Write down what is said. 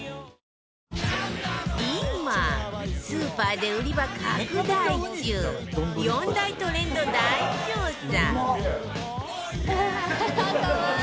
今スーパーで売り場拡大中４大トレンド大調査